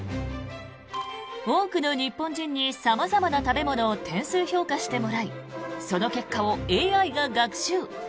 多くの日本人に様々な食べ物を点数評価してもらいその結果をＡＩが学習。